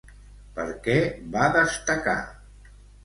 Per què va destacar?